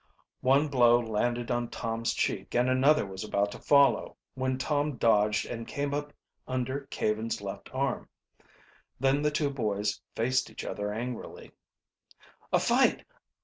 One blow landed on Tom's cheek and another was about to follow, when Tom dodged and came up under Caven's left arm. Then the two boys faced each other angrily. "A fight!